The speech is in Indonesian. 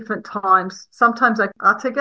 kadang kadang mereka bersama